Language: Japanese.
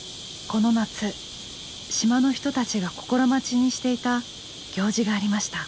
この夏島の人たちが心待ちにしていた行事がありました。